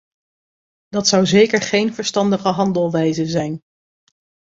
Dat zou zeker geen verstandige handelwijze zijn.